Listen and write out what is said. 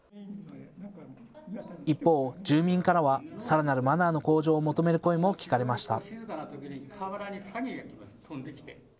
一方、住民からはさらなるマナーの向上を求める声も聞かれました。